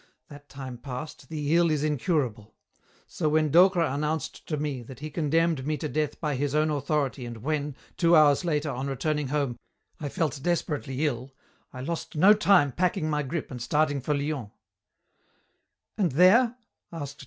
That time past, the ill is incurable. So when Docre announced to me that he condemned me to death by his own authority and when, two hours later, on returning home, I felt desperately ill, I lost no time packing my grip and starting for Lyons." "And there?"